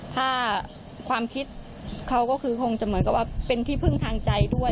ถ้าความคิดเขาก็คือคงจะเหมือนกับว่าเป็นที่พึ่งทางใจด้วย